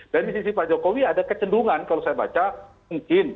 dan di sisi pak jokowi ada kecenderungan kalau saya baca mungkin